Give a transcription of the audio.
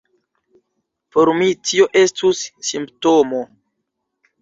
Por mi tio estus simptomo!